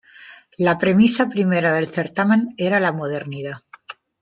La premisa primera del certamen era la modernidad.